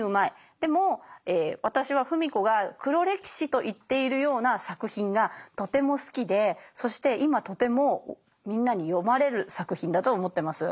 でも私は芙美子が「黒歴史」と言っているような作品がとても好きでそして今とてもみんなに読まれる作品だと思ってます。